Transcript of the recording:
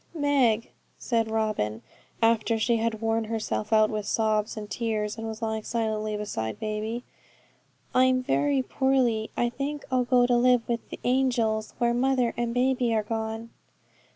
'Meg,' said Robin, after she had worn herself out with sobs and tears, and was lying silently beside baby, 'I'm very poorly. I think I'll go to live with the angels, where mother and baby are gone.'